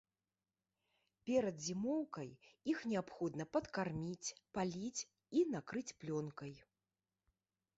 Перад зімоўкай іх неабходна падкарміць, паліць і накрыць плёнкай.